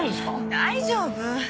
大丈夫！